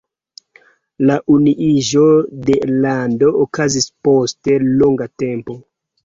La unuiĝo de lando okazis post longa tempo.